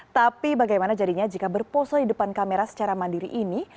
tapi bagaimana jadinya jika berpose di depan kamera secara mandiri ini